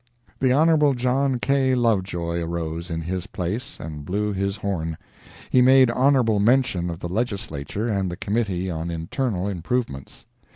The Hon. John K. Lovejoy arose in his place and blew his horn. He made honorable mention of the Legislature and the Committee on Internal Improvements.